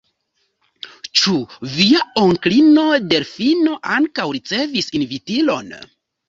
Ĉu via onklino Delfino ankaŭ ricevis invitilon?